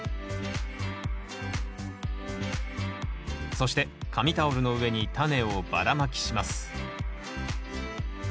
そして紙タオルの上にタネをばらまきします